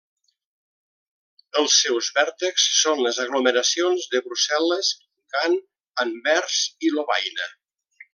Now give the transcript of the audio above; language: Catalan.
Els seus vèrtexs són les aglomeracions de Brussel·les, Gant, Anvers i Lovaina.